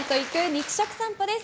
肉食さんぽです。